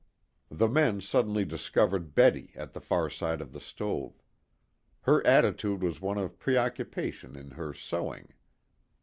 The men suddenly discovered Betty at the far side of the stove. Her attitude was one of preoccupation in her sewing.